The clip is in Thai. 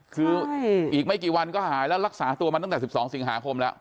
คืออีกไม่กี่วันก็หายแล้วรักษาตัวมาตั้งแต่๑๒สิงหาคมแล้ว